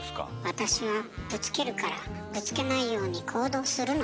「私はぶつけるからぶつけないように行動するの」というね